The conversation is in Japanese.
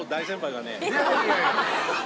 いやいやいや。